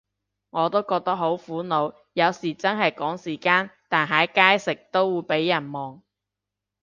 我都覺得好苦惱，有時真係趕時間，但喺街食都會被人望